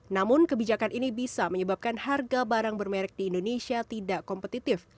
namun kebijakan ini bisa menyebabkan harga barang bermerek di indonesia tidak kompetitif